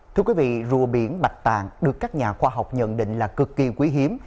thưa quý vị rùa biển bạch tàn được các nhà khoa học nhận định là cực kỳ quý hiếm